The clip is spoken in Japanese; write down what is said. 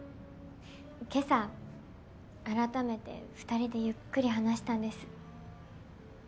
今朝改めて２人でゆっくり話したんです。